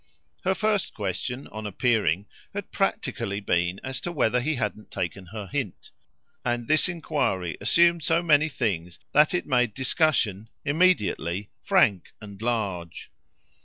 Her first question, on appearing, had practically been as to whether he hadn't taken her hint, and this enquiry assumed so many things that it immediately made discussion frank and large.